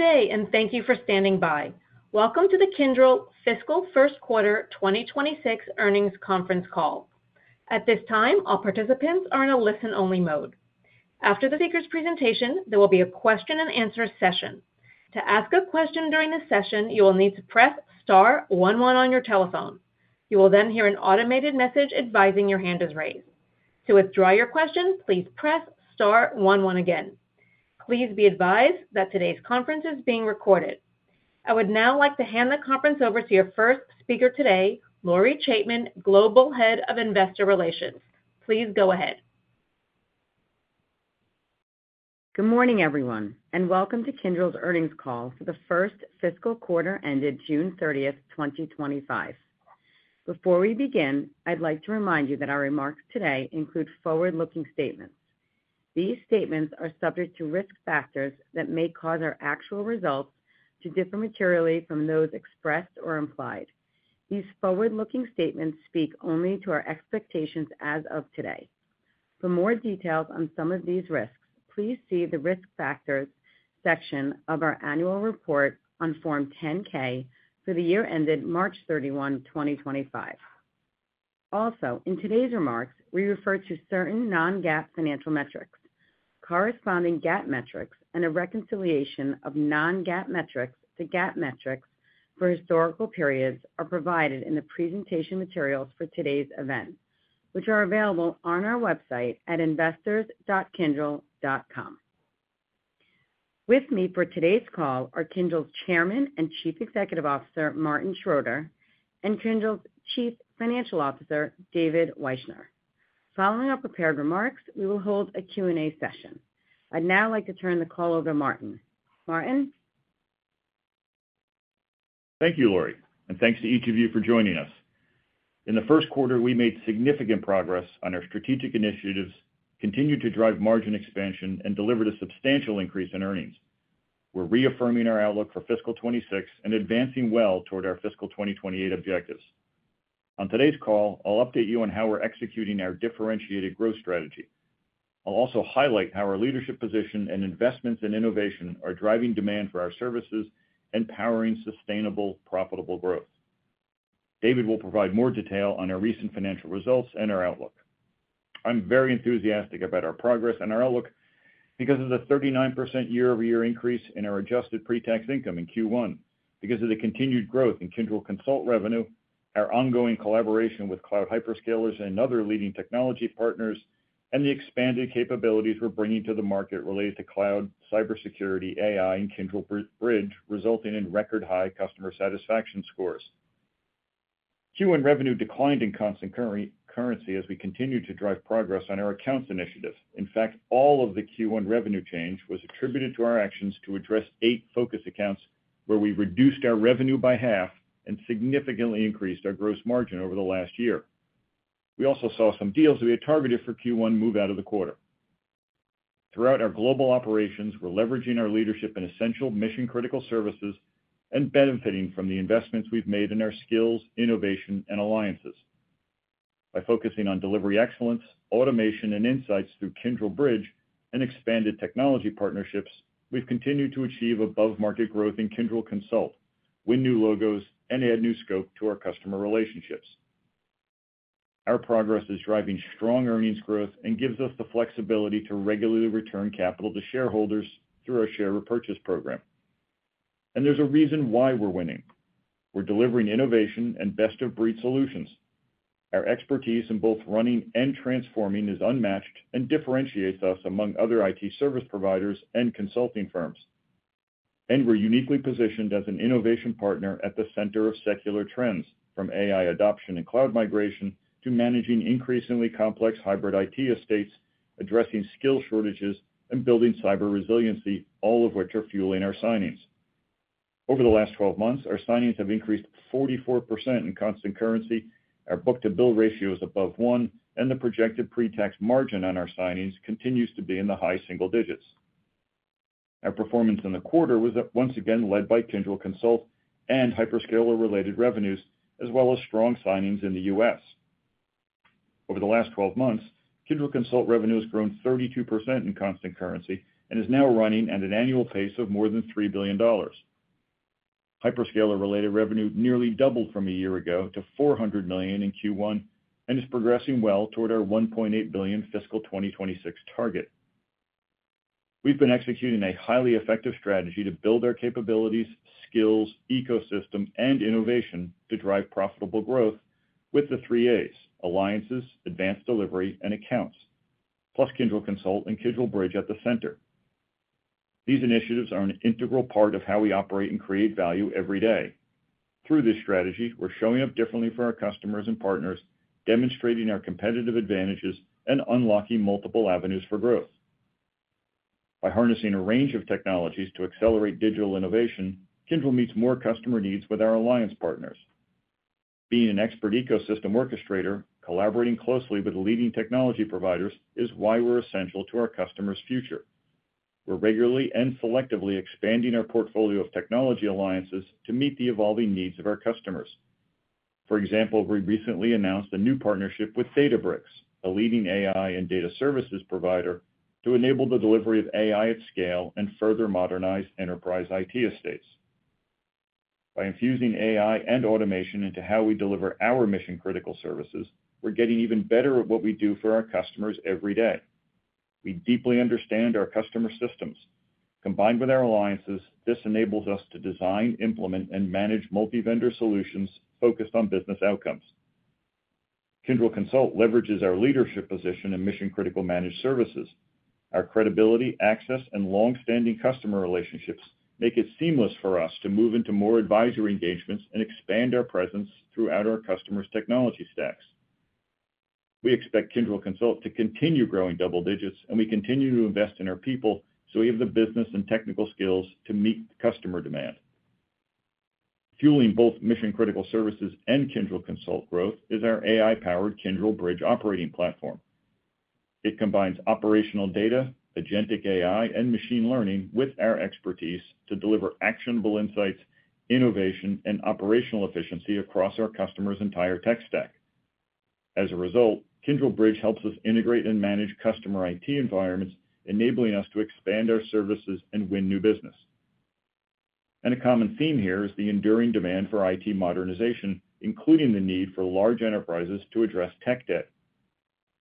Today, and thank you for standing by. Welcome to the Kyndryl fiscal first quarter 2026 earnings conference call. At this time, all participants are in a listen-only mode. After the speaker's presentation, there will be a question-and-answer session. To ask a question during this session, you will need to press star one one on your telephone. You will then hear an automated message advising your hand is raised. To withdraw your question, please press star one one again. Please be advised that today's conference is being recorded. I would now like to hand the conference over to your first speaker today, Lori Chaitman, Global Head of Investor Relations. Please go ahead. Good morning, everyone, and welcome to Kyndryl's earnings call for the first fiscal quarter ended June 30th, 2025. Before we begin, I'd like to remind you that our remarks today include forward-looking statements. These statements are subject to risk factors that may cause our actual results to differ materially from those expressed or implied. These forward-looking statements speak only to our expectations as of today. For more details on some of these risks, please see the risk factors section of our annual report on Form 10-K for the year ended March 31, 2025. Also, in today's remarks, we refer to certain non-GAAP financial metrics. Corresponding GAAP metrics and a reconciliation of non-GAAP metrics to GAAP metrics for historical periods are provided in the presentation materials for today's event, which are available on our website at investors.kyndryl.com. With me for today's call are Kyndryl's Chairman and Chief Executive Officer, Martin Schroeter, and Kyndryl's Chief Financial Officer, David Wyshner. Following our prepared remarks, we will hold a Q&A session. I'd now like to turn the call over to Martin. Martin? Thank you, Lori, and thanks to each of you for joining us. In the first quarter, we made significant progress on our strategic initiatives, continued to drive margin expansion, and delivered a substantial increase in earnings. We're reaffirming our outlook for fiscal 2026 and advancing well toward our fiscal 2028 objectives. On today's call, I'll update you on how we're executing our differentiated growth strategy. I'll also highlight how our leadership position and investments in innovation are driving demand for our services and powering sustainable, profitable growth. David will provide more detail on our recent financial results and our outlook. I'm very enthusiastic about our progress and our outlook because of the 39% year-over-year increase in our adjusted pre-tax income in Q1. Because of the continued growth in Kyndryl Consult revenue, our ongoing collaboration with cloud hyperscalers and other leading technology partners, and the expanded capabilities we're bringing to the market related to cloud, cybersecurity, AI, and Kyndryl Bridge, resulting in record-high customer satisfaction scores. Q1 revenue declined in constant currency as we continued to drive progress on our accounts initiative. In fact, all of the Q1 revenue change was attributed to our actions to address eight focus accounts where we reduced our revenue by half and significantly increased our gross margin over the last year. We also saw some deals we had targeted for Q1 move out of the quarter. Throughout our global operations, we're leveraging our leadership in essential mission-critical services and benefiting from the investments we've made in our skills, innovation, and alliances. By focusing on delivery excellence, automation, and insights through Kyndryl Bridge and expanded technology partnerships, we've continued to achieve above-market growth in Kyndryl Consult, win new logos, and add new scope to our customer relationships. Our progress is driving strong earnings growth and gives us the flexibility to regularly return capital to shareholders through our share repurchase program. There's a reason why we're winning. We're delivering innovation and best-of-breed solutions. Our expertise in both running and transforming is unmatched and differentiates us among other IT service providers and consulting firms. We are uniquely positioned as an innovation partner at the center of secular trends, from AI adoption and cloud migration to managing increasingly complex hybrid IT estates, addressing skill shortages, and building cyber resiliency, all of which are fueling our signings. Over the last 12 months, our signings have increased 44% in constant currency, our book-to-bill ratio is above one, and the projected pre-tax margin on our signings continues to be in the high single digits. Our performance in the quarter was once again led by Kyndryl Consult and hyperscaler-related revenues, as well as strong signings in the U.S. Over the last 12 months, Kyndryl Consult revenue has grown 32% in constant currency and is now running at an annual pace of more than $3 billion. Hyperscaler-related revenue nearly doubled from a year ago to $400 million in Q1 and is progressing well toward our $1.8 billion fiscal 2026 target. We have been executing a highly effective strategy to build our capabilities, skills, ecosystem, and innovation to drive profitable growth with the three A's: alliances, advanced delivery, and accounts, plus Kyndryl Consult and Kyndryl Bridge at the center. These initiatives are an integral part of how we operate and create value every day. Through this strategy, we are showing up differently for our customers and partners, demonstrating our competitive advantages, and unlocking multiple avenues for growth. By harnessing a range of technologies to accelerate digital innovation, Kyndryl meets more customer needs with our alliance partners. Being an expert ecosystem orchestrator, collaborating closely with leading technology providers is why we are essential to our customers' future. We are regularly and selectively expanding our portfolio of technology alliances to meet the evolving needs of our customers. For example, we recently announced a new partnership with Databricks, a leading AI and data services provider, to enable the delivery of AI at scale and further modernize enterprise IT estates. By infusing AI and automation into how we deliver our mission-critical services, we are getting even better at what we do for our customers every day. We deeply understand our customer systems. Combined with our alliances, this enables us to design, implement, and manage multi-vendor solutions focused on business outcomes. Kyndryl Consult leverages our leadership position in mission-critical managed services. Our credibility, access, and longstanding customer relationships make it seamless for us to move into more advisory engagements and expand our presence throughout our customers' technology stacks. We expect Kyndryl Consult to continue growing double digits, and we continue to invest in our people so we have the business and technical skills to meet customer demand. Fueling both mission-critical services and Kyndryl Consult growth is our AI-powered Kyndryl Bridge operating platform. It combines operational data, agentic AI, and machine learning with our expertise to deliver actionable insights, innovation, and operational efficiency across our customers' entire tech stack. As a result, Kyndryl Bridge helps us integrate and manage customer IT environments, enabling us to expand our services and win new business. A common theme here is the enduring demand for IT modernization, including the need for large enterprises to address tech debt.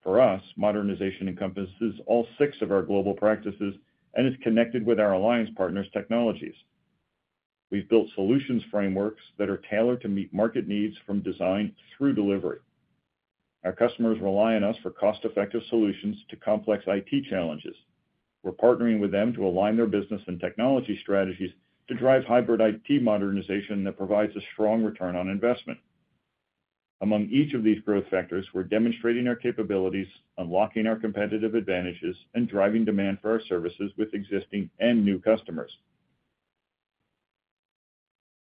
For us, modernization encompasses all six of our global practices and is connected with our alliance partners' technologies. We've built solutions frameworks that are tailored to meet market needs from design through delivery. Our customers rely on us for cost-effective solutions to complex IT challenges. We're partnering with them to align their business and technology strategies to drive hybrid IT modernization that provides a strong return on investment. Among each of these growth factors, we're demonstrating our capabilities, unlocking our competitive advantages, and driving demand for our services with existing and new customers.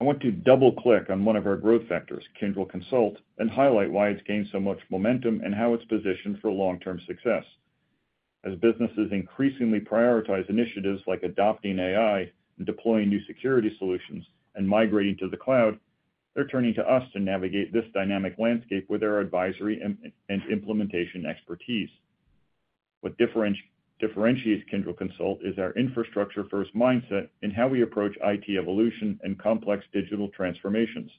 I want to double-click on one of our growth factors, Kyndryl Consult, and highlight why it's gained so much momentum and how it's positioned for long-term success. As businesses increasingly prioritize initiatives like adopting AI and deploying new security solutions and migrating to the cloud, they're turning to us to navigate this dynamic landscape with our advisory and implementation expertise. What differentiates Kyndryl Consult is our infrastructure-first mindset in how we approach IT evolution and complex digital transformations.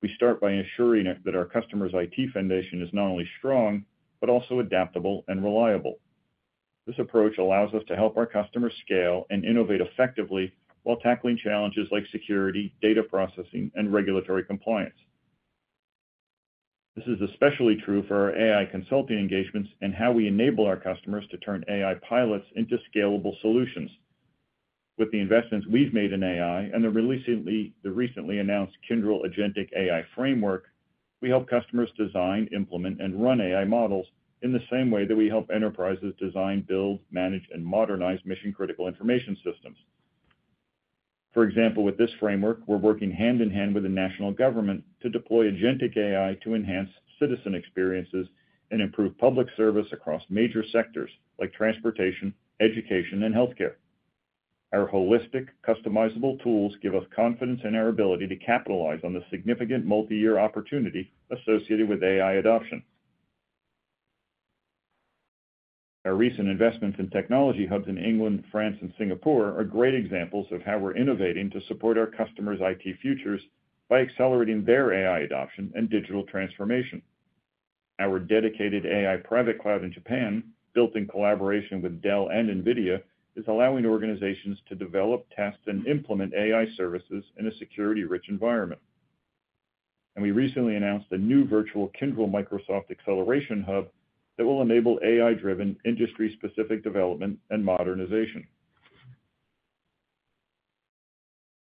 We start by ensuring that our customers' IT foundation is not only strong but also adaptable and reliable. This approach allows us to help our customers scale and innovate effectively while tackling challenges like security, data processing, and regulatory compliance. This is especially true for our AI consulting engagements and how we enable our customers to turn AI pilots into scalable solutions. With the investments we've made in AI and the recently announced Kyndryl Agentic AI Framework, we help customers design, implement, and run AI models in the same way that we help enterprises design, build, manage, and modernize mission-critical information systems. For example, with this framework, we're working hand in hand with the national government to deploy agentic AI to enhance citizen experiences and improve public service across major sectors like transportation, education, and healthcare. Our holistic, customizable tools give us confidence in our ability to capitalize on the significant multi-year opportunity associated with AI adoption. Our recent investments in technology hubs in England, France, and Singapore are great examples of how we're innovating to support our customers' IT futures by accelerating their AI adoption and digital transformation. Our dedicated AI private cloud in Japan, built in collaboration with Dell and NVIDIA, is allowing organizations to develop, test, and implement AI services in a security-rich environment. We recently announced a new virtual Kyndryl Microsoft Acceleration Hub that will enable AI-driven industry-specific development and modernization.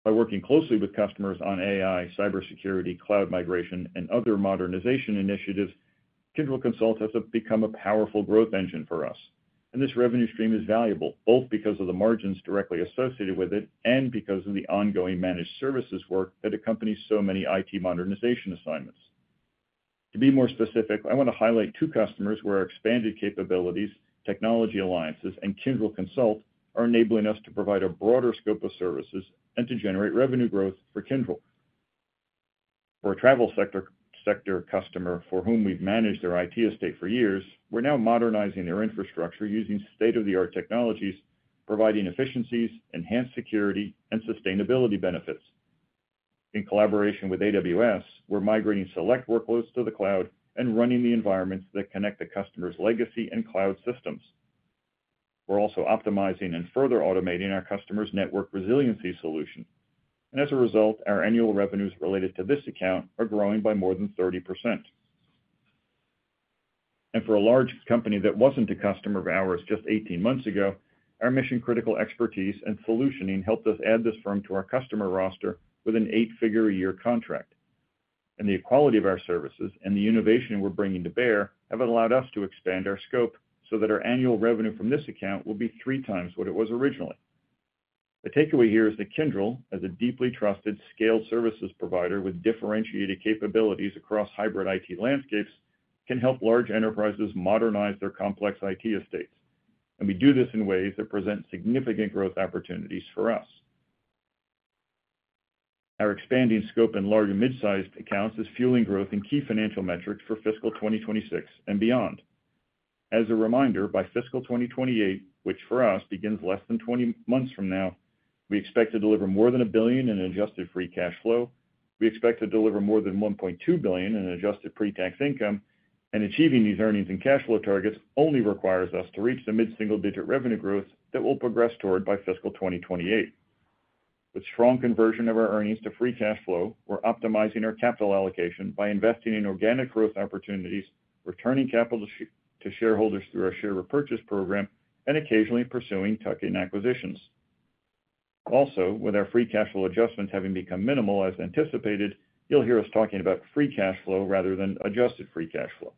By working closely with customers on AI, cybersecurity, cloud migration, and other modernization initiatives, Kyndryl Consult has become a powerful growth engine for us. This revenue stream is valuable, both because of the margins directly associated with it and because of the ongoing managed services work that accompanies so many IT modernization assignments. To be more specific, I want to highlight two customers where our expanded capabilities, technology alliances, and Kyndryl Consult are enabling us to provide a broader scope of services and to generate revenue growth for Kyndryl. For a travel sector customer for whom we've managed their IT estate for years, we're now modernizing their infrastructure using state-of-the-art technologies, providing efficiencies, enhanced security, and sustainability benefits. In collaboration with AWS, we're migrating select workloads to the cloud and running the environments that connect the customer's legacy and cloud systems. We're also optimizing and further automating our customer's network resiliency solution. As a result, our annual revenues related to this account are growing by more than 30%. For a large company that wasn't a customer of ours just 18 months ago, our mission-critical expertise and solutioning helped us add this firm to our customer roster with an eight-figure a year contract. The quality of our services and the innovation we're bringing to bear have allowed us to expand our scope so that our annual revenue from this account will be threex what it was originally. The takeaway here is that Kyndryl, as a deeply trusted scaled services provider with differentiated capabilities across hybrid IT landscapes, can help large enterprises modernize their complex IT estates. We do this in ways that present significant growth opportunities for us. Our expanding scope in large and mid-sized accounts is fueling growth in key financial metrics for fiscal 2026 and beyond. As a reminder, by fiscal 2028, which for us begins less than 20 months from now, we expect to deliver more than $1 billion in adjusted free cash flow. We expect to deliver more than $1.2 billion in adjusted pre-tax income. Achieving these earnings and cash flow targets only requires us to reach the mid-single-digit revenue growth that we'll progress toward by fiscal 2028. With strong conversion of our earnings to free cash flow, we're optimizing our capital allocation by investing in organic growth opportunities, returning capital to shareholders through our share repurchase program, and occasionally pursuing tuck-in acquisitions. Also, with our free cash flow adjustments having become minimal as anticipated, you'll hear us talking about free cash flow rather than adjusted free cash flow.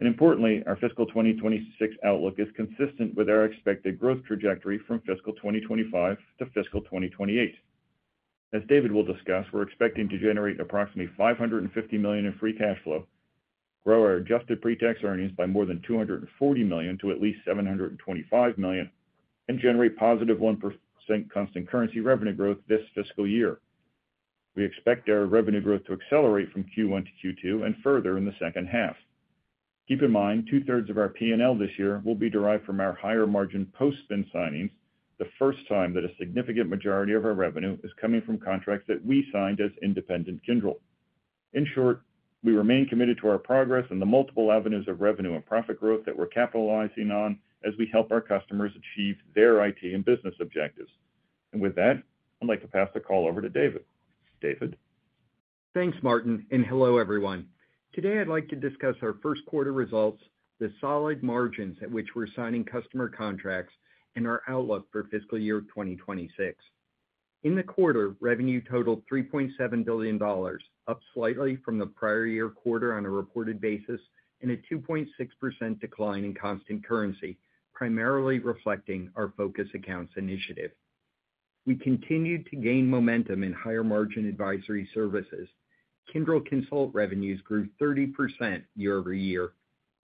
Importantly, our fiscal 2026 outlook is consistent with our expected growth trajectory from fiscal 2025 to fiscal 2028. As David will discuss, we're expecting to generate approximately $550 million in free cash flow, grow our adjusted pre-tax earnings by more than $240 million to at least $725 million, and generate +1% constant currency revenue growth this fiscal year. We expect our revenue growth to accelerate from Q1 to Q2 and further in the second half. Keep in mind, two-thirds of our P&L this year will be derived from our higher margin post-spin signings, the first time that a significant majority of our revenue is coming from contracts that we signed as independent Kyndryl. In short, we remain committed to our progress and the multiple avenues of revenue and profit growth that we're capitalizing on as we help our customers achieve their IT and business objectives. With that, I'd like to pass the call over to David. David? Thanks, Martin, and hello, everyone. Today, I'd like to discuss our first quarter results, the solid margins at which we're signing customer contracts, and our outlook for fiscal year 2026. In the quarter, revenue totaled $3.7 billion, up slightly from the prior year quarter on a reported basis, and a 2.6% decline in constant currency, primarily reflecting our focus accounts initiative. We continued to gain momentum in higher-margin advisory services. Kyndryl Consult revenues grew 30% year-over-year,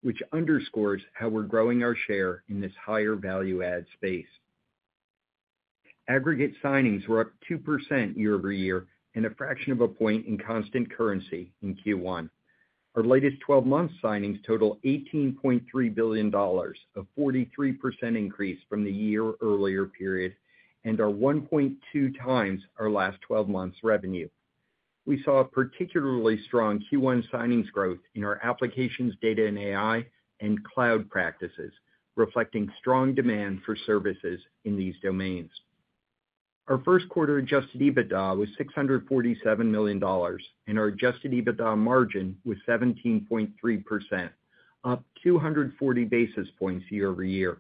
which underscores how we're growing our share in this higher value-add space. Aggregate signings were up 2% year-over-year and a fraction of a point in constant currency in Q1. Our latest 12-month signings totaled $18.3 billion, a 43% increase from the year earlier period, and are 1.2x our last 12 months' revenue. We saw a particularly strong Q1 signings growth in our applications, data, and AI and cloud practices, reflecting strong demand for services in these domains. Our first quarter adjusted EBITDA was $647 million, and our adjusted EBITDA margin was 17.3%, up 240 basis points year-over-year.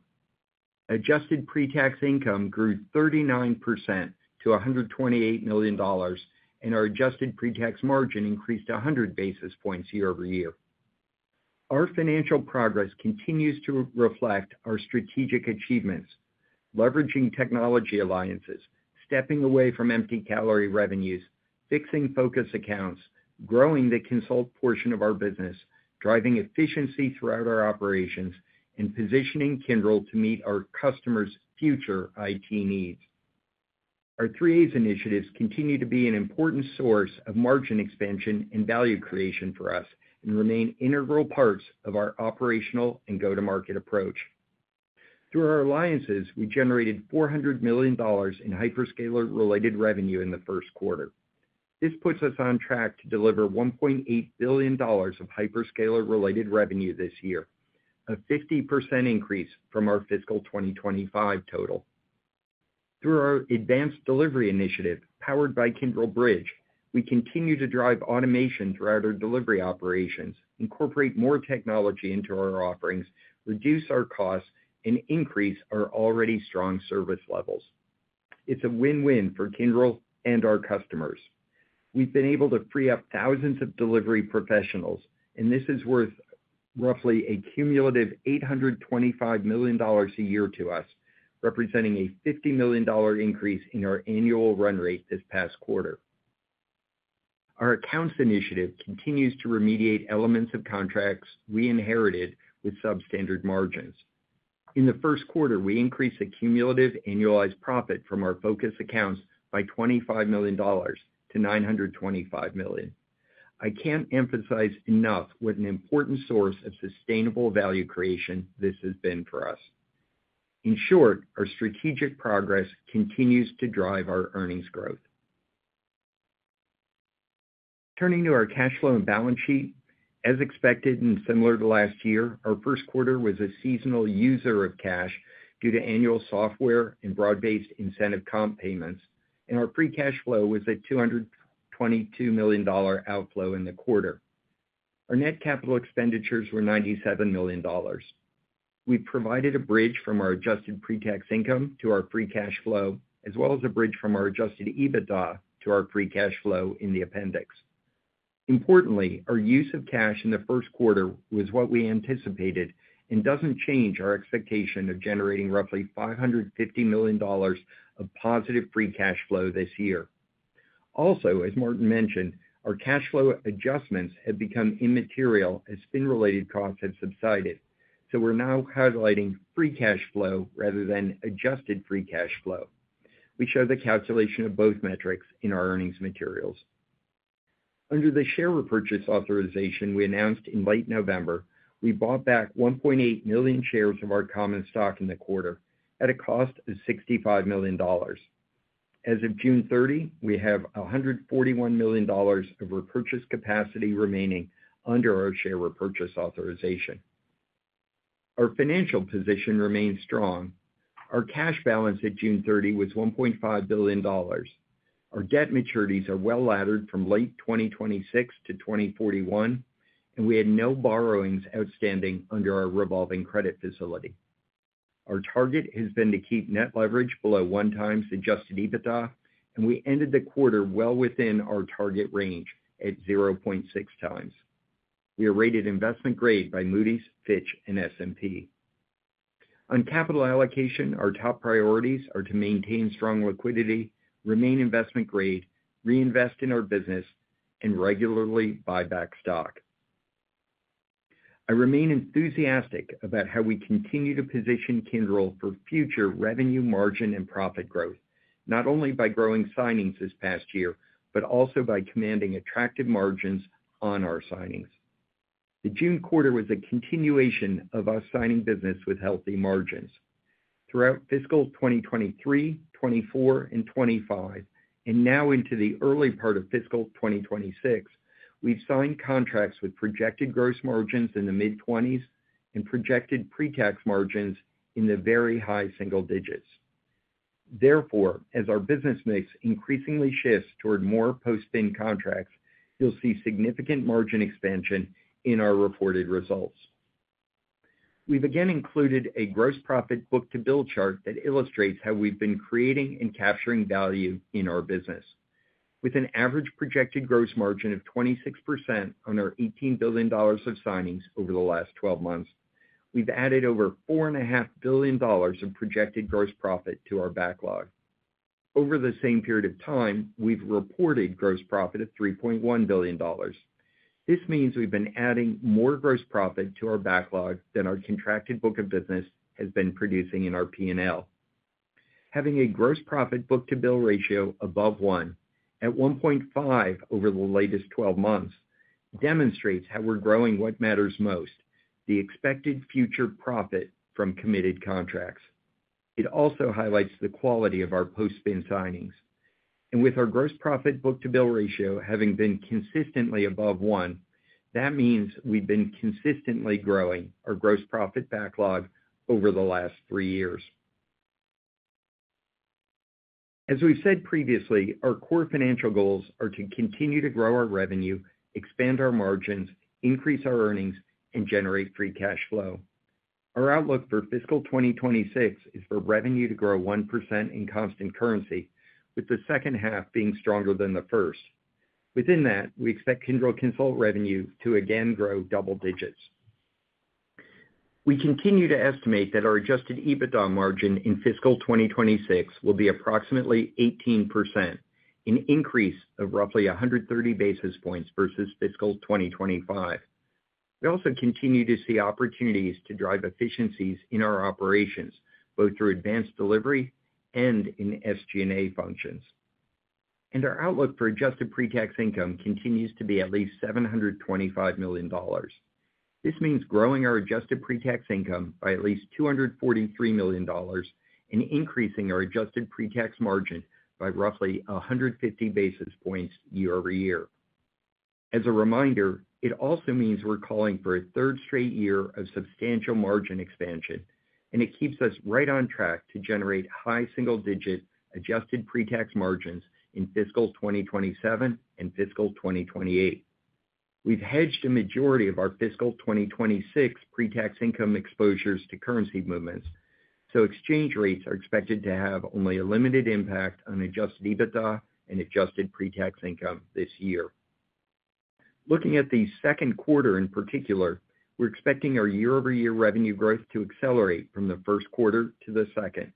Adjusted pre-tax income grew 39% to $128 million, and our adjusted pre-tax margin increased 100 basis points year-over-year. Our financial progress continues to reflect our strategic achievements, leveraging technology alliances, stepping away from empty caller revenues, fixing focus accounts, growing the consult portion of our business, driving efficiency throughout our operations, and positioning Kyndryl to meet our customers' future IT needs. Our three A's initiatives continue to be an important source of margin expansion and value creation for us and remain integral parts of our operational and go-to-market approach. Through our alliances, we generated $400 million in hyperscaler-related revenue in the first quarter. This puts us on track to deliver $1.8 billion of hyperscaler-related revenue this year, a 50% increase from our fiscal 2025 total. Through our advanced delivery initiative, powered by Kyndryl Bridge, we continue to drive automation throughout our delivery operations, incorporate more technology into our offerings, reduce our costs, and increase our already strong service levels. It's a win-win for Kyndryl and our customers. We've been able to free up thousands of delivery professionals, and this is worth roughly a cumulative $825 million a year to us, representing a $50 million increase in our annual run rate this past quarter. Our accounts initiative continues to remediate elements of contracts we inherited with substandard margins. In the first quarter, we increased the cumulative annualized profit from our focus accounts by $25 million-$925 million. I can't emphasize enough what an important source of sustainable value creation this has been for us. In short, our strategic progress continues to drive our earnings growth. Turning to our cash flow and balance sheet, as expected and similar to last year, our first quarter was a seasonal user of cash due to annual software and broad-based incentive comp payments, and our free cash flow was a $222 million outflow in the quarter. Our net capital expenditures were $97 million. We provided a bridge from our adjusted pre-tax income to our free cash flow, as well as a bridge from our adjusted EBITDA to our free cash flow in the appendix. Importantly, our use of cash in the first quarter was what we anticipated and doesn't change our expectation of generating roughly $550 million of positive free cash flow this year. As Martin mentioned, our cash flow adjustments have become immaterial as spin-related costs have subsided. We are now highlighting free cash flow rather than adjusted free cash flow. We show the calculation of both metrics in our earnings materials. Under the share repurchase authorization we announced in late November, we bought back 1.8 million shares of our common stock in the quarter at a cost of $65 million. As of June 30, we have $141 million of repurchase capacity remaining under our share repurchase authorization. Our financial position remains strong. Our cash balance at June 30 was $1.5 billion. Our debt maturities are well-laddered from late 2026-2041, and we had no borrowings outstanding under our revolving credit facility. Our target has been to keep net leverage below onex adjusted EBITDA, and we ended the quarter well within our target range at 0.6x. We are rated investment grade by Moody's, Fitch, and S&P. On capital allocation, our top priorities are to maintain strong liquidity, remain investment grade, reinvest in our business, and regularly buy back stock. I remain enthusiastic about how we continue to position Kyndryl for future revenue, margin, and profit growth, not only by growing signings this past year, but also by commanding attractive margins on our signings. The June quarter was a continuation of us signing business with healthy margins. Throughout fiscal 2023, 2024, and 2025, and now into the early part of fiscal 2026, we've signed contracts with projected gross margins in the mid-20s and projected pre-tax margins in the very high single digits. Therefore, as our business mix increasingly shifts toward more post-spin contracts, you'll see significant margin expansion in our reported results. We've again included a gross profit book-to-bill chart that illustrates how we've been creating and capturing value in our business. With an average projected gross margin of 26% on our $18 billion of signings over the last 12 months, we've added over $4.5 billion of projected gross profit to our backlog. Over the same period of time, we've reported gross profit of $3.1 billion. This means we've been adding more gross profit to our backlog than our contracted book of business has been producing in our P&L. Having a gross profit book-to-bill ratio above one, at 1.5 over the latest 12 months, demonstrates how we're growing what matters most: the expected future profit from committed contracts. It also highlights the quality of our post-spin signings. With our gross profit book-to-bill ratio having been consistently above one, that means we've been consistently growing our gross profit backlog over the last three years. As we've said previously, our core financial goals are to continue to grow our revenue, expand our margins, increase our earnings, and generate free cash flow. Our outlook for fiscal 2026 is for revenue to grow 1% in constant currency, with the second half being stronger than the first. Within that, we expect Kyndryl Consult revenue to again grow double digits. We continue to estimate that our adjusted EBITDA margin in fiscal 2026 will be approximately 18%, an increase of roughly 130 basis points versus fiscal 2025. We also continue to see opportunities to drive efficiencies in our operations, both through advanced delivery and in SG&A functions. Our outlook for adjusted pre-tax income continues to be at least $725 million. This means growing our adjusted pre-tax income by at least $243 million and increasing our adjusted pre-tax margin by roughly 150 basis points year-over-year. As a reminder, it also means we're calling for a third straight year of substantial margin expansion, and it keeps us right on track to generate high single-digit adjusted pre-tax margins in fiscal 2027 and fiscal 2028. We've hedged a majority of our fiscal 2026 pre-tax income exposures to currency movements, so exchange rates are expected to have only a limited impact on adjusted EBITDA and adjusted pre-tax income this year. Looking at the second quarter in particular, we're expecting our year-over-year revenue growth to accelerate from the first quarter to the second.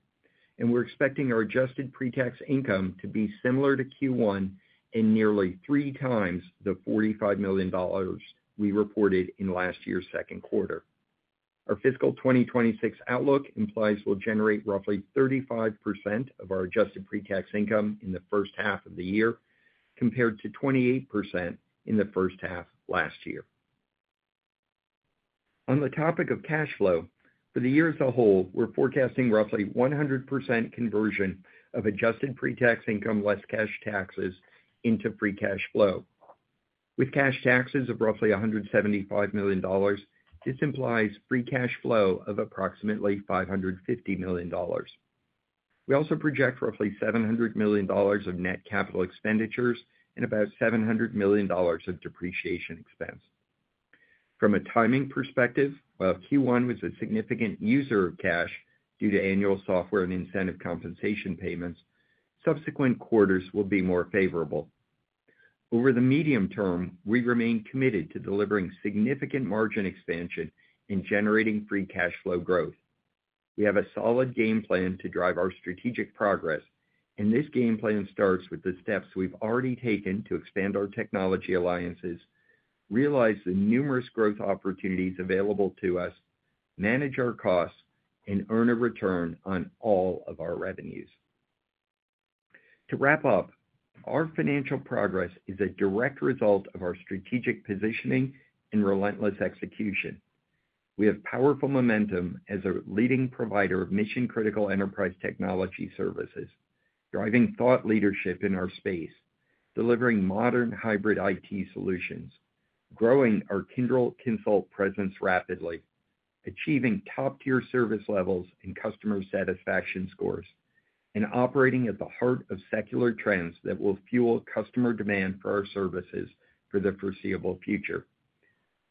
We're expecting our adjusted pre-tax income to be similar to Q1 and nearly threex the $45 million we reported in last year's second quarter. Our fiscal 2026 outlook implies we'll generate roughly 35% of our adjusted pre-tax income in the first half of the year, compared to 28% in the first half last year. On the topic of cash flow, for the year as a whole, we're forecasting roughly 100% conversion of adjusted pre-tax income less cash taxes into free cash flow. With cash taxes of roughly $175 million, this implies free cash flow of approximately $550 million. We also project roughly $700 million of net capital expenditures and about $700 million of depreciation expense. From a timing perspective, while Q1 was a significant user of cash due to annual software and incentive compensation payments, subsequent quarters will be more favorable. Over the medium term, we remain committed to delivering significant margin expansion and generating free cash flow growth. We have a solid game plan to drive our strategic progress, and this game plan starts with the steps we've already taken to expand our technology alliances, realize the numerous growth opportunities available to us, manage our costs, and earn a return on all of our revenues. To wrap up, our financial progress is a direct result of our strategic positioning and relentless execution. We have powerful momentum as a leading provider of mission-critical enterprise technology services, driving thought leadership in our space, delivering modern hybrid IT solutions, growing our Kyndryl Consult presence rapidly, achieving top-tier service levels and customer satisfaction scores, and operating at the heart of secular trends that will fuel customer demand for our services for the foreseeable future.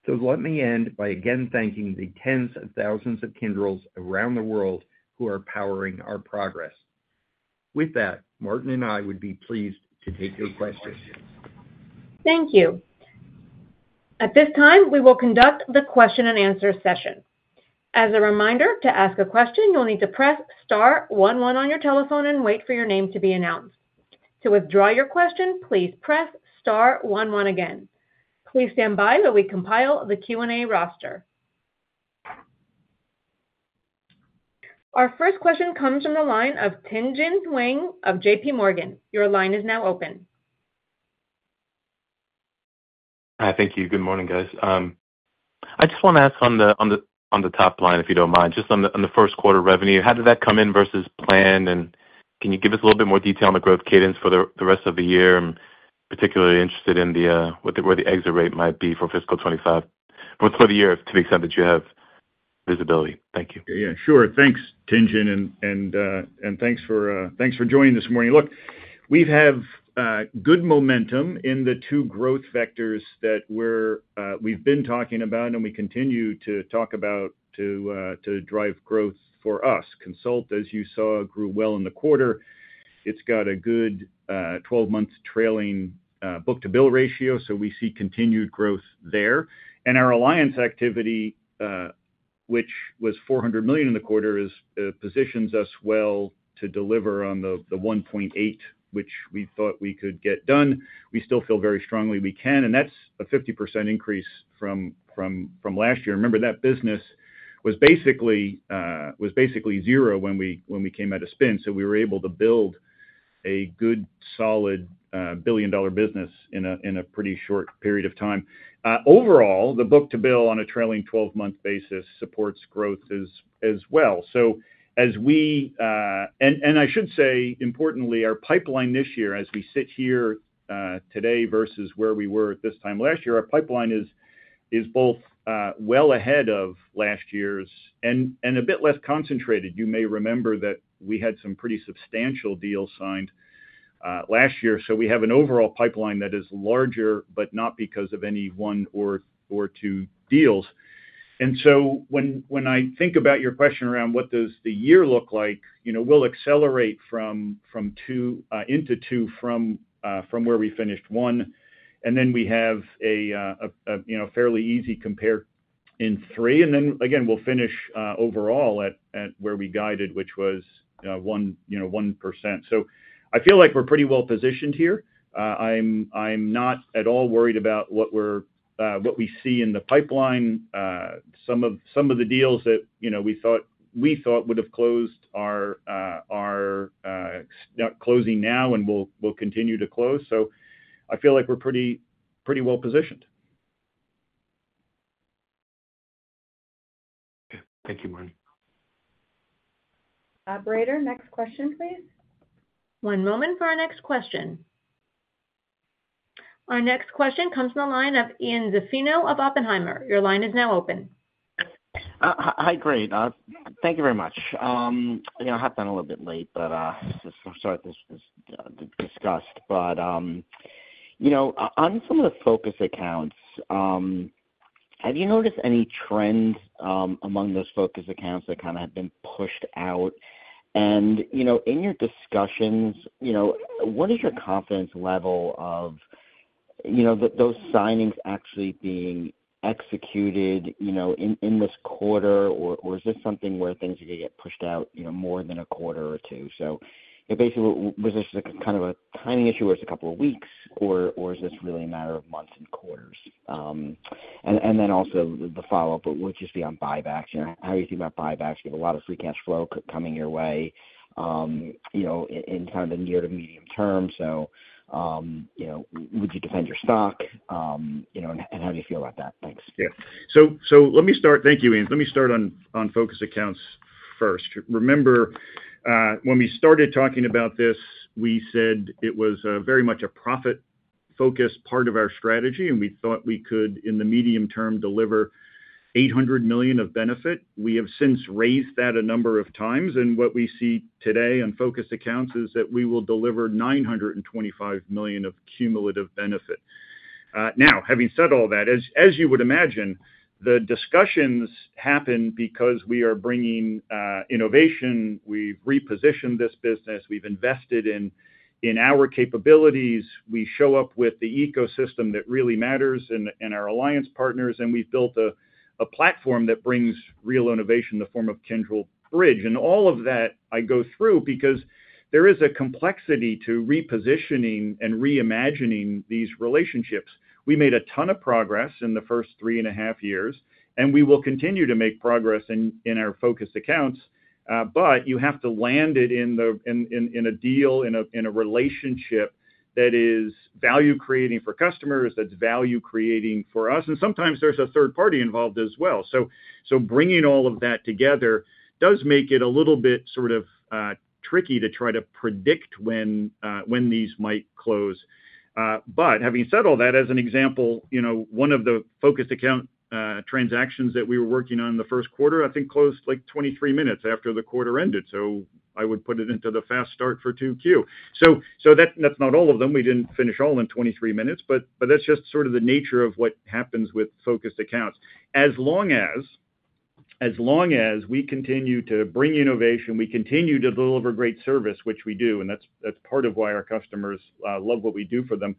Let me end by again thanking the tens of thousands of Kyndryls around the world who are powering our progress. With that, Martin and I would be pleased to take your questions. Thank you. At this time, we will conduct the question-and-answer session. As a reminder, to ask a question, you'll need to press star one one on your telephone and wait for your name to be announced. To withdraw your question, please press star one one again. Please stand by while we compile the Q&A roster. Our first question comes from the line of Tien-Tsin Huang of JPMorgan. Your line is now open. Hi, thank you. Good morning, guys. I just want to ask on the top line, if you don't mind, just on the first quarter revenue, how did that come in versus planned? Can you give us a little bit more detail on the growth cadence for the rest of the year? I'm particularly interested in where the exit rate might be for fiscal 2025 or for the year, to the extent that you have visibility. Thank you. Yeah, sure. Thanks, Tien-Tsin, and thanks for joining this morning. Look, we have good momentum in the two growth vectors that we've been talking about and we continue to talk about to drive growth for us. Kyndryl Consult, as you saw, grew well in the quarter. It's got a good 12-month trailing book-to-bill ratio, so we see continued growth there. Our alliance activity, which was $400 million in the quarter, positions us well to deliver on the $1.8 billion, which we thought we could get done. We still feel very strongly we can, and that's a 50% increase from last year. Remember, that business was basically zero when we came out of spin, so we were able to build a good, solid billion-dollar business in a pretty short period of time. Overall, the book-to-bill on a trailing 12-month basis supports growth as well. Importantly, our pipeline this year, as we sit here today versus where we were at this time last year, is both well ahead of last year's and a bit less concentrated. You may remember that we had some pretty substantial deals signed last year, so we have an overall pipeline that is larger, but not because of any one or two deals. When I think about your question around what does the year look like, we'll accelerate from two into two from where we finished one, and then we have a fairly easy compare in three, and again, we'll finish overall at where we guided, which was 1%. I feel like we're pretty well positioned here. I'm not at all worried about what we see in the pipeline. Some of the deals that we thought would have closed are closing now and will continue to close. I feel like we're pretty well positioned. Thank you, Martin. Collaborator, next question, please. One moment for our next question. Our next question comes from the line of Ian Zaffino of Oppenheimer. Your line is now open. Hi, great. Thank you very much. I hopped on a little bit late, but I'm sorry if this was discussed. On some of the focus accounts, have you noticed any trends among those focus accounts that have been pushed out? In your discussions, what is your confidence level of those signings actually being executed in this quarter, or is this something where things are going to get pushed out more than a quarter or two? Was this a timing issue where it's a couple of weeks, or is this really a matter of months and quarters? The follow-up would just be on buybacks. How do you think about buybacks? You have a lot of free cash flow coming your way in the near to medium term. Would you defend your stock, and how do you feel about that? Thanks. Yeah. Thank you, Ian. Let me start on focus accounts first. Remember, when we started talking about this, we said it was very much a profit-focused part of our strategy, and we thought we could, in the medium term, deliver $800 million of benefit. We have since raised that a number of times, and what we see today on focus accounts is that we will deliver $925 million of cumulative benefit. Now, having said all that, as you would imagine, the discussions happen because we are bringing innovation. We've repositioned this business. We've invested in our capabilities. We show up with the ecosystem that really matters and our alliance partners, and we've built a platform that brings real innovation in the form of Kyndryl Bridge. All of that, I go through because there is a complexity to repositioning and reimagining these relationships. We made a ton of progress in the first three and a half years, and we will continue to make progress in our focus accounts, but you have to land it in a deal, in a relationship that is value-creating for customers, that's value-creating for us, and sometimes there's a third party involved as well. Bringing all of that together does make it a little bit sort of tricky to try to predict when these might close. Having said all that, as an example, one of the focus account transactions that we were working on in the first quarter, I think closed like 23 minutes after the quarter ended. I would put it into the fast start for 2Q. That's not all of them. We didn't finish all in 23 minutes, but that's just sort of the nature of what happens with focus accounts. As long as we continue to bring innovation, we continue to deliver great service, which we do, and that's part of why our customers love what we do for them.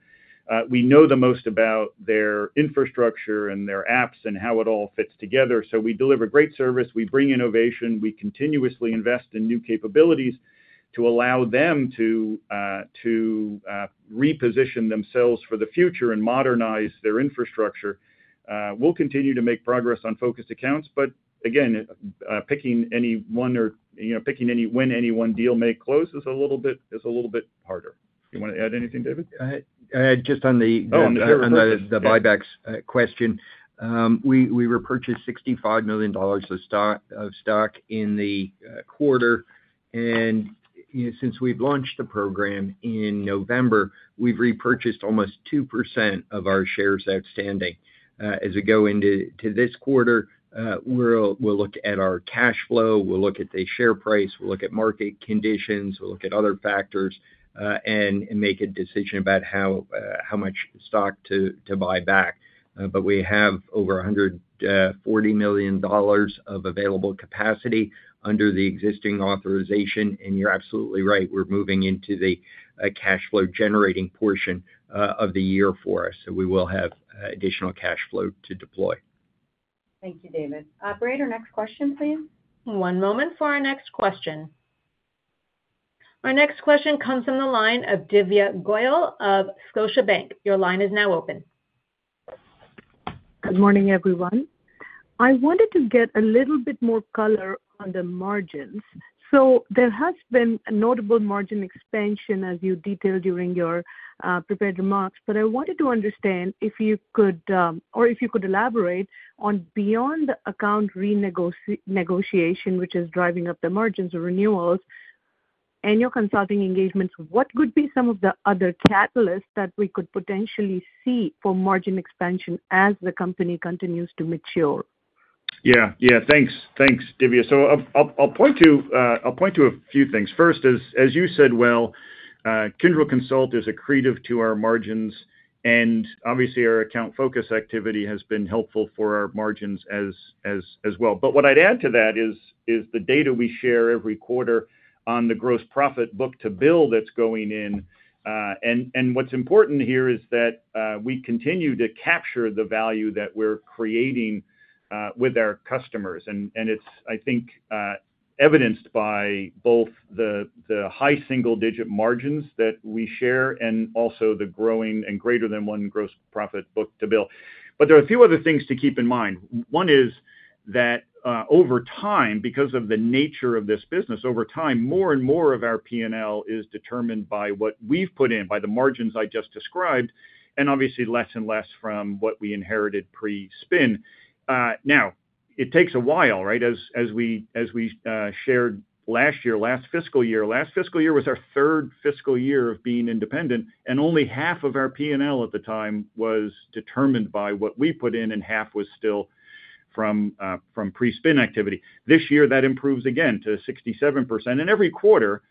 We know the most about their infrastructure and their apps and how it all fits together. We deliver great service, we bring innovation, we continuously invest in new capabilities to allow them to reposition themselves for the future and modernize their infrastructure. We'll continue to make progress on focus accounts, but again, picking any one or picking when any one deal may close is a little bit harder. You want to add anything, David? On the buybacks question, we repurchased $65 million of stock in the quarter, and since we've launched the program in November, we've repurchased almost 2% of our shares outstanding. As we go into this quarter, we'll look at our cash flow, we'll look at the share price, we'll look at market conditions, we'll look at other factors, and make a decision about how much stock to buy back. We have over $140 million of available capacity under the existing authorization, and you're absolutely right, we're moving into the cash flow generating portion of the year for us. We will have additional cash flow to deploy. Thank you, David. Operator, next question, please. One moment for our next question. Our next question comes from the line of Divya Goyal of Scotiabank. Your line is now open. Good morning, everyone. I wanted to get a little bit more color on the margins. There has been a notable margin expansion, as you detailed during your prepared remarks, but I wanted to understand if you could, or if you could elaborate on beyond the account renegotiation, which is driving up the margins of renewals and your consulting engagements, what would be some of the other catalysts that we could potentially see for margin expansion as the company continues to mature? Yeah, thanks, Divya. I'll point to a few things. First, as you said well, Kyndryl Consult is accretive to our margins, and obviously, our account focus activity has been helpful for our margins as well. What I'd add to that is the data we share every quarter on the gross profit book-to-bill that's going in. What's important here is that we continue to capture the value that we're creating with our customers. It's, I think, evidenced by both the high single-digit margins that we share and also the growing and greater than one gross profit book-to-bill. There are a few other things to keep in mind. One is that over time, because of the nature of this business, more and more of our P&L is determined by what we've put in, by the margins I just described, and obviously less and less from what we inherited pre-spin. It takes a while, right? As we shared last year, last fiscal year was our third fiscal year of being independent, and only half of our P&L at the time was determined by what we put in, and half was still from pre-spin activity. This year, that improves again to 67%, and every quarter,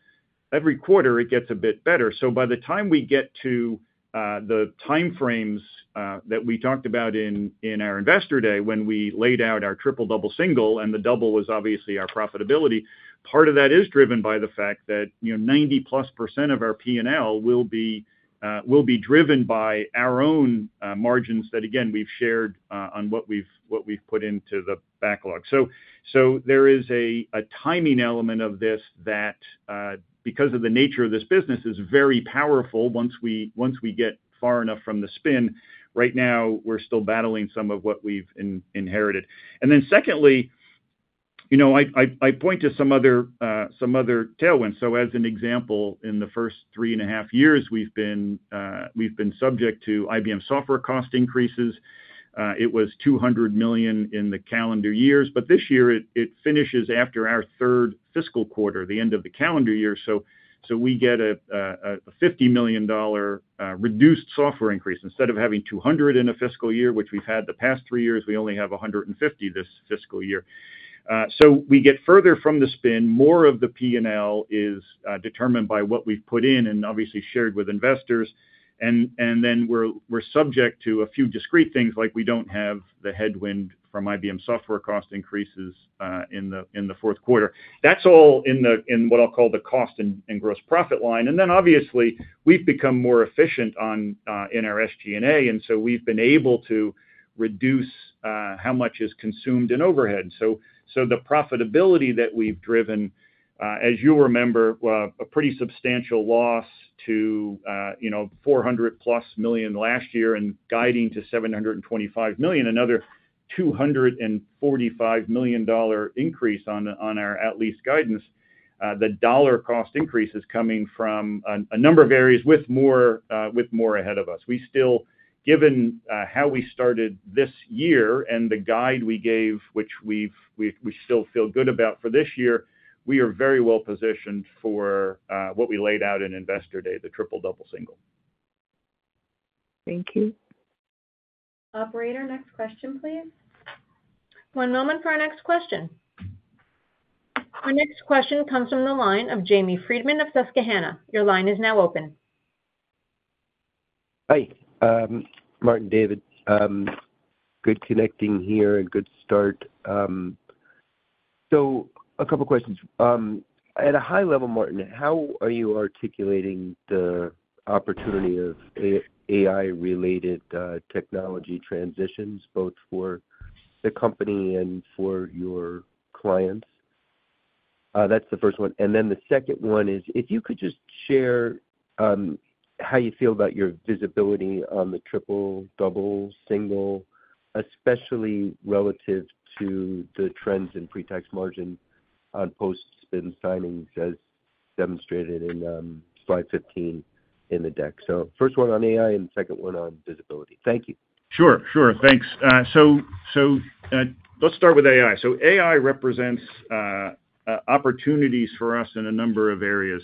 it gets a bit better. By the time we get to the timeframes that we talked about in our Investor Day, when we laid out our triple, double, single, and the double was obviously our profitability, part of that is driven by the fact that 90%+ of our P&L will be driven by our own margins that, again, we've shared on what we've put into the backlog. There is a timing element of this that, because of the nature of this business, is very powerful once we get far enough from the spin. Right now, we're still battling some of what we've inherited. Secondly, I point to some other tailwinds. As an example, in the first three and a half years, we've been subject to IBM software cost increases. It was $200 million in the calendar years, but this year, it finishes after our third fiscal quarter, the end of the calendar year. We get a $50 million reduced software increase. Instead of having $200 million in a fiscal year, which we've had the past three years, we only have $150 million this fiscal year. We get further from the spin, more of the P&L is determined by what we've put in and obviously shared with investors. We're subject to a few discrete things, like we don't have the headwind from IBM software cost increases in the fourth quarter. That's all in what I'll call the cost and gross profit line. Obviously, we've become more efficient in our SG&A, and we've been able to reduce how much is consumed in overhead. The profitability that we've driven, as you'll remember, a pretty substantial loss to $400+ million last year and guiding to $725 million, another $245 million increase on our at-lease guidance. The dollar cost increase is coming from a number of areas with more ahead of us. We still, given how we started this year and the guide we gave, which we still feel good about for this year, we are very well positioned for what we laid out in Investor Day, the triple, double, single. Thank you. Operator, next question, please. One moment for our next question. Our next question comes from the line of Jamie Friedman of Susquehanna. Your line is now open. Hi, Martin, David. Good connecting here. Good start. A couple of questions. At a high level, Martin, how are you articulating the opportunity of AI-related technology transitions, both for the company and for your client? That's the first one. If you could just share how you feel about your visibility on the triple, double, single, especially relative to the trends in pre-tax margin on post-spin signings, as demonstrated in slide 15 in the deck. First one on AI and the second one on visibility. Thank you. Sure, sure. Thanks. Let's start with AI. AI represents opportunities for us in a number of areas.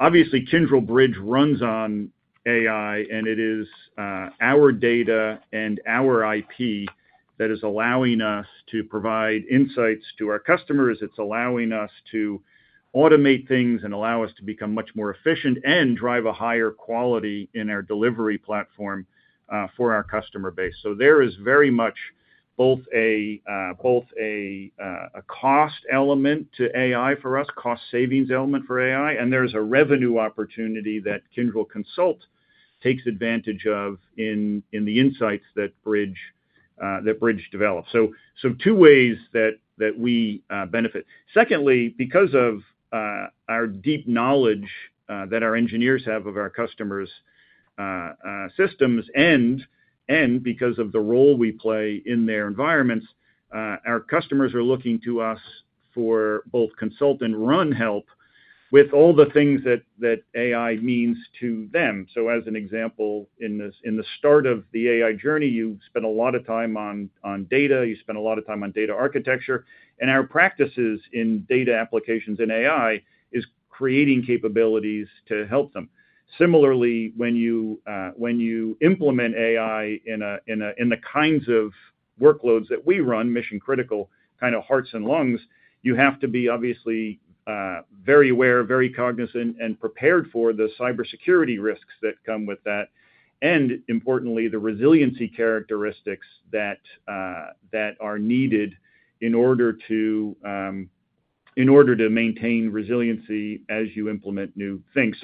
Obviously, Kyndryl Bridge runs on AI, and it is our data and our IP that is allowing us to provide insights to our customers. It's allowing us to automate things and allow us to become much more efficient and drive a higher quality in our delivery platform for our customer base. There is very much both a cost element to AI for us, cost savings element for AI, and there's a revenue opportunity that Kyndryl Consult takes advantage of in the insights that Bridge develops. Two ways that we benefit. Secondly, because of our deep knowledge that our engineers have of our customers' systems and because of the role we play in their environments, our customers are looking to us for both consult and run help with all the things that AI means to them. As an example, in the start of the AI journey, you spend a lot of time on data, you spend a lot of time on data architecture, and our practices in data applications and AI are creating capabilities to help them. Similarly, when you implement AI in the kinds of workloads that we run, mission-critical kind of hearts and lungs, you have to be obviously very aware, very cognizant, and prepared for the cybersecurity risks that come with that, and importantly, the resiliency characteristics that are needed in order to maintain resiliency as you implement new things.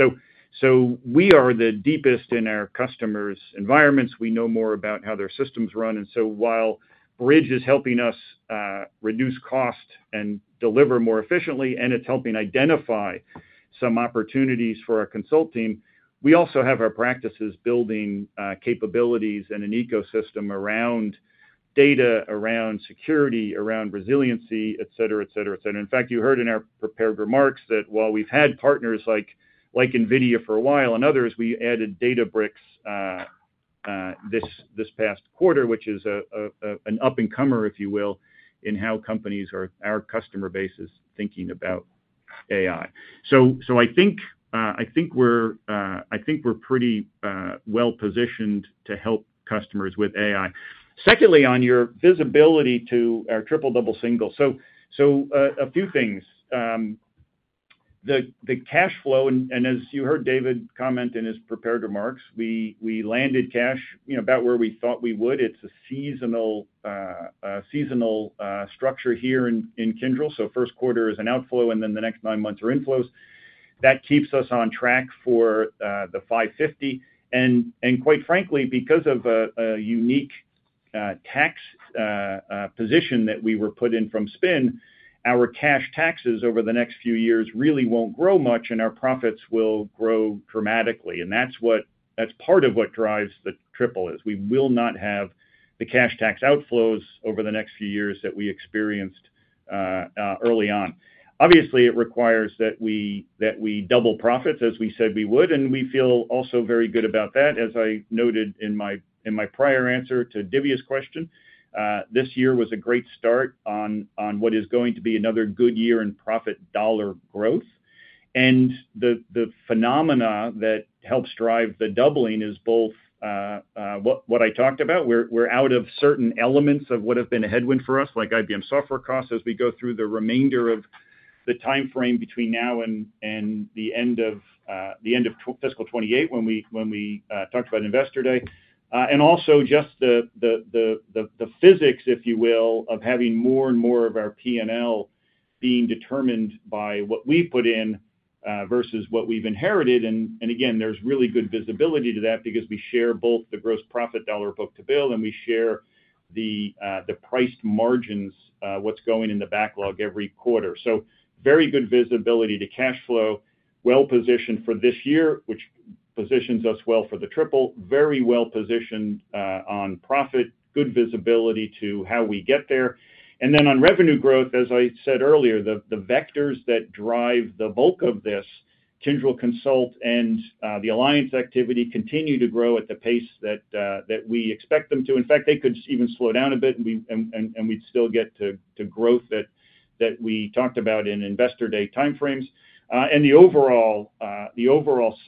We are the deepest in our customers' environments. We know more about how their systems run. While Bridge is helping us reduce cost and deliver more efficiently, and it's helping identify some opportunities for our consult team, we also have our practices building capabilities and an ecosystem around data, around security, around resiliency, et cetera, et cetera, et cetera. In fact, you heard in our prepared remarks that while we've had partners like NVIDIA for a while and others, we added Databricks this past quarter, which is an up-and-comer, if you will, in how companies are, our customer bases, thinking about AI. I think we're pretty well positioned to help customers with AI. Secondly, on your visibility to our triple, double, single, a few things. The cash flow, and as you heard David comment in his prepared remarks, we landed cash about where we thought we would. It's a seasonal structure here in Kyndryl. First quarter is an outflow, and then the next nine months are inflows. That keeps us on track for the $550 million. Quite frankly, because of a unique tax position that we were put in from spin, our cash taxes over the next few years really won't grow much, and our profits will grow dramatically. That's part of what drives the triple is we will not have the cash tax outflows over the next few years that we experienced early on. Obviously, it requires that we double profits, as we said we would, and we feel also very good about that. As I noted in my prior answer to Divya's question, this year was a great start on what is going to be another good year in profit dollar growth. The phenomena that helps drive the doubling is both what I talked about. We're out of certain elements of what have been a headwind for us, like IBM software costs, as we go through the remainder of the timeframe between now and the end of fiscal 2028, when we talked about Investor Day. Also, just the physics, if you will, of having more and more of our P&L being determined by what we've put in versus what we've inherited. Again, there's really good visibility to that because we share both the gross profit dollar book-to-bill, and we share the priced margins, what's going in the backlog every quarter. Very good visibility to cash flow, well positioned for this year, which positions us well for the triple, very well positioned on profit, good visibility to how we get there. On revenue growth, as I said earlier, the vectors that drive the bulk of this, Kyndryl Consult and the alliance activity, continue to grow at the pace that we expect them to. In fact, they could even slow down a bit, and we'd still get to growth that we talked about in Investor Day timeframes. The overall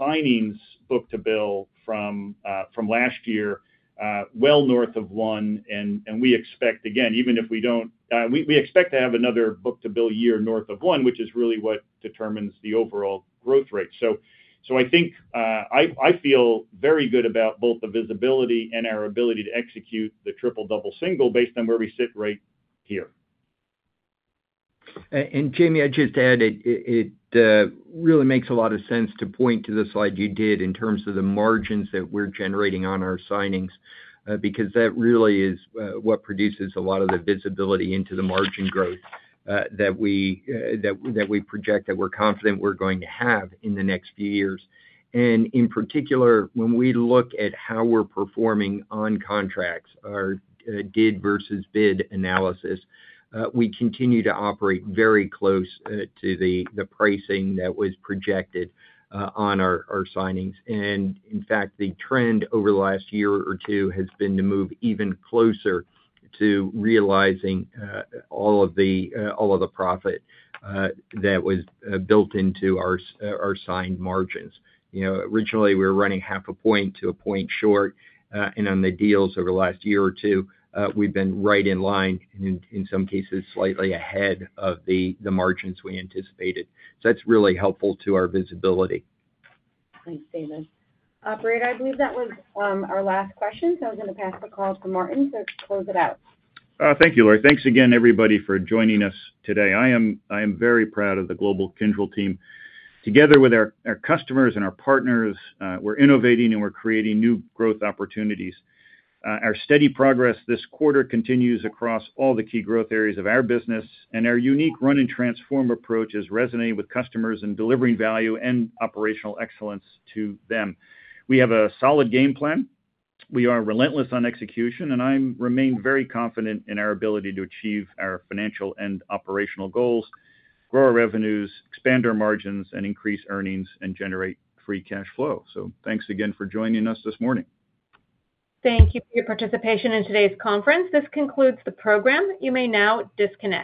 signings book-to-bill from last year, well north of one, and we expect, again, even if we don't, we expect to have another book-to-bill year north of one, which is really what determines the overall growth rate. I think I feel very good about both the visibility and our ability to execute the triple, double, single based on where we sit right here. Jamie, I'd just add it really makes a lot of sense to point to the slide you did in terms of the margins that we're generating on our signings, because that really is what produces a lot of the visibility into the margin growth that we project that we're confident we're going to have in the next few years. In particular, when we look at how we're performing on contracts, our did versus bid analysis, we continue to operate very close to the pricing that was projected on our signings. In fact, the trend over the last year or two has been to move even closer to realizing all of the profit that was built into our signed margins. Originally, we were running half a point to a point short, and on the deals over the last year or two, we've been right in line, and in some cases, slightly ahead of the margins we anticipated. That's really helpful to our visibility. Thanks, David. Operator, I believe that was our last question, so I was going to pass the call to Martin to close it out. Thank you, Lori. Thanks again, everybody, for joining us today. I am very proud of the global Kyndryl team. Together with our customers and our partners, we're innovating and we're creating new growth opportunities. Our steady progress this quarter continues across all the key growth areas of our business, and our unique run and transform approach is resonating with customers and delivering value and operational excellence to them. We have a solid game plan. We are relentless on execution, and I remain very confident in our ability to achieve our financial and operational goals, grow our revenues, expand our margins, and increase earnings and generate free cash flow. Thanks again for joining us this morning. Thank you for your participation in today's conference. This concludes the program. You may now disconnect.